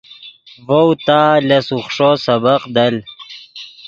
ڤؤ تا لس اوخݰو سبق دل